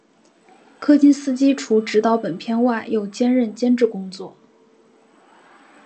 柯金斯基除执导本片外又兼任监制工作。